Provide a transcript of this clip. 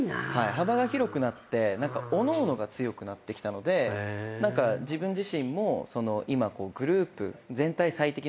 幅が広くなっておのおのが強くなってきたので自分自身も今グループ全体最適のために。